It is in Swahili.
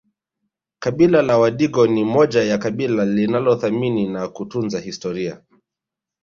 Kabila la wadigo ni moja ya kabila linalothamini na kutunza historia